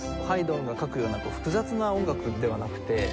ハイドンが書くような複雑な音楽ではなくて。